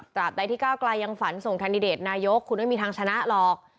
ใดที่ก้าวกลายยังฝันส่งแคนดิเดตนายกคุณไม่มีทางชนะหรอก